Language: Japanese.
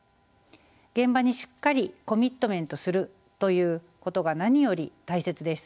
現場にしっかりコミットメントするということが何より大切です。